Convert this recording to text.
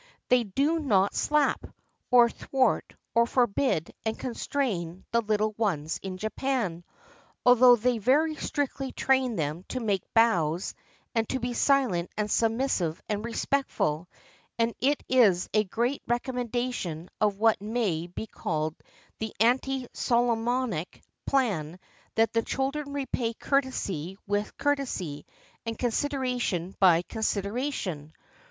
They do not slap, or thwart, or forbid and constrain the Httle ones in Japan, although they very strictly train them to make bows, and to be silent and submissive and respectful; and it is a great recommendation of what may be called the anti Solomonic plan that the children repay courtesy with courtesy, and consideration by consideration.